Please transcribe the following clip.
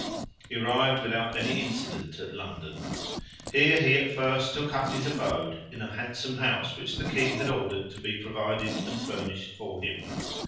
He arrived without any accident at London. Here he at first took up his abode in a handsome house which the king had ordered to be provided and furnished for him.